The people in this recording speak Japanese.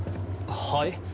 はい？